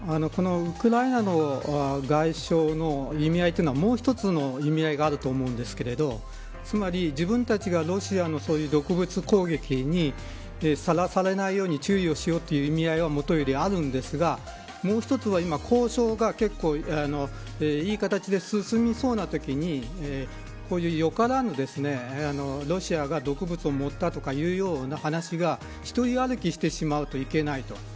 このウクライナの外相の意味合いというのはもう一つの意味合いがあると思うんですけどつまり自分たちがロシアの毒物攻撃にさらされないように注意をしようという意味合いはもとよりあるのですがもう１つは交渉が結構いい形で進みそうなときにこういう、よからぬロシアが毒物を盛ったというような話が１人歩きしてしまうといけないと。